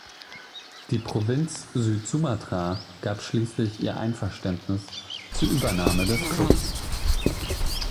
Die Provinz Süd-Sumatra gab schließlich ihr Einverständnis zur Übernahme des Clubs.